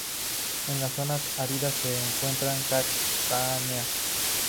En las zonas áridas se encuentran cactáceas.